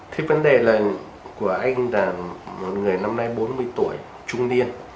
thì vấn đề của anh là một người năm nay bốn mươi tuổi trung niên